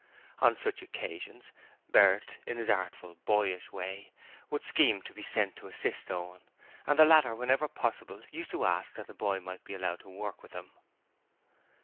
On such occasions, Bert, in his artful, boyish way, would scheme to be sent to assist Owen, and the latter whenever possible used to ask that the boy might be allowed to work with him.